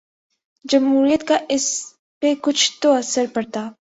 جمہوریت کا اس پہ کچھ تو اثر پڑتا۔